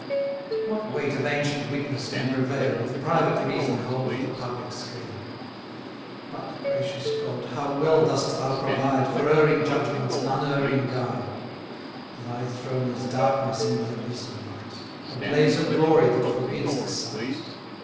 What weight of ancient witness can prevail, If private reason hold the public scale? But, gracious God, how well dost thou provide For erring judgments an unerring guide! Thy throne is darkness in the abyss of light, A blaze of glory that forbids the sight.